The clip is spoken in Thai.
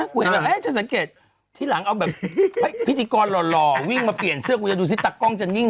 คือมันมีเสื้อทาบใส่เดี่ยวข้างในแล้วหนูถอดเสื้อดวง